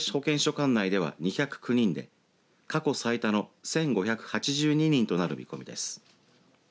管内では２０９人で過去最多の１５８２人となる見込みです。